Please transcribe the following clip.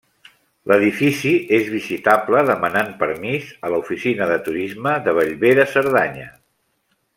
L'edifici és visitable demanant permís a l'oficina de turisme de Bellver de Cerdanya.